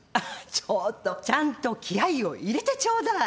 ちょっとちゃんと気合を入れてちょうだい。